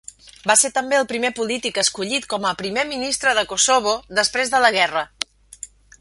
Va ser també el primer polític escollit com a Primer Ministre de Kosovo després de la guerra.